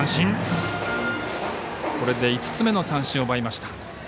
これで５つ目の三振を奪いました。